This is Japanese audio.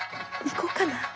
行こうかな。